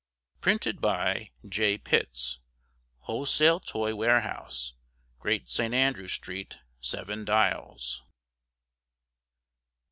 Printed by J. Pitts, Wholesale Toy Warehouse, Great St Andrew Street, Seven Dials.